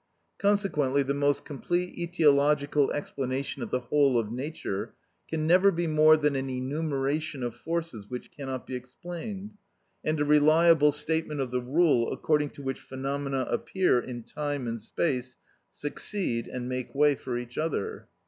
Consequently the most complete etiological explanation of the whole of nature can never be more than an enumeration of forces which cannot be explained, and a reliable statement of the rule according to which phenomena appear in time and space, succeed, and make way for each other.